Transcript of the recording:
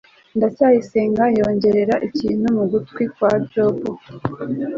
ndacyayisenga yongorera ikintu mu gutwi kwa jabo